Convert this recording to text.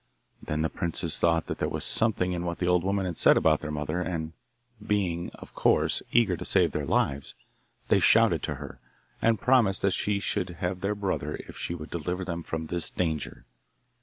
Then the princes thought that there was something in what the old woman had said about their mother, and being, of course, eager to save their lives, they shouted to her, and promised that she should have their brother if she would deliver them from this danger.